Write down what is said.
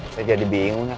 saya jadi bingung ya